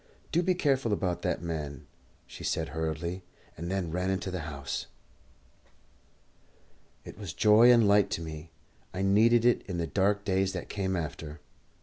"Do be careful about that man," she said hurriedly, and then ran into the house. It was joy and light to me, and I needed it in the dark days that came after.